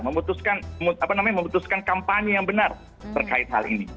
memutuskan apa namanya memutuskan kampanye yang benar terkait hal ini